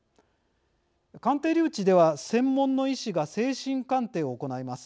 鑑定留置では専門の医師が精神鑑定を行います。